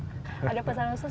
ada pesan khusus gak sih pak